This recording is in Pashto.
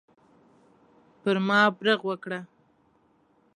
پر ما برغ وکړه.